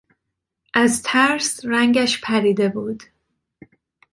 از ترس رنگش پریده بود.